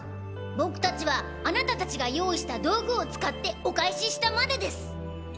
僕たちはあなたたちが用意した道具を使ってお返ししたまでです。